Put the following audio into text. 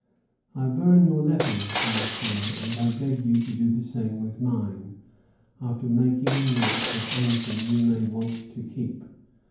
I burn your letters, Monsieur, and I beg you to do the same with mine, after making a note of anything you may want to keep."